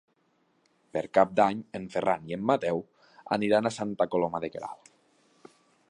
Per Cap d'Any en Ferran i en Mateu aniran a Santa Coloma de Queralt.